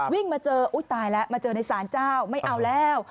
วิ่งมาเจออุ้ยตายแล้วมาเจอในศาลเจ้าไม่เอาแล้ว